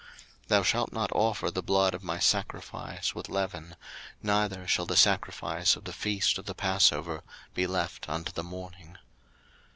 02:034:025 Thou shalt not offer the blood of my sacrifice with leaven; neither shall the sacrifice of the feast of the passover be left unto the morning.